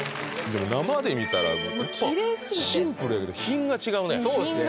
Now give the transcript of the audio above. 生で見たらやっぱシンプルやけど品が違うねそうですね